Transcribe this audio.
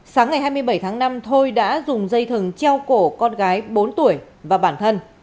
sáng ngày hai mươi bảy tháng năm thôi đã dùng dây thừng treo cổ con gái bốn tuổi và bản thân